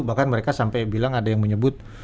bahkan mereka sampai bilang ada yang menyebut